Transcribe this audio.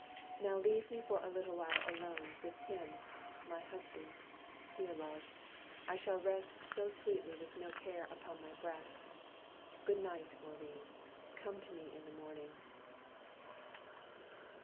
Now leave me for a little while alone With him my husband. Dear love! I shall rest So sweetly with no care upon my breast. Good night, Maurine, come to me in the morning."